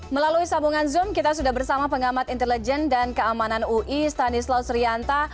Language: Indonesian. melalui sambungan zoom kita sudah bersama pengamat intelijen dan keamanan ui stanis lawsrianta